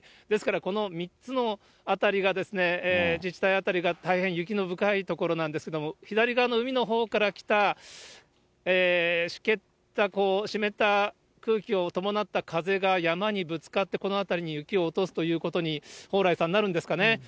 ですから、この３つの辺りが、自治体辺りが大変、雪の深い所なんですけれども、左側の海のほうから来たしけった、湿った空気を伴った風が山にぶつかって、この辺りに雪を落とすということに蓬莱さん、なるんですかね。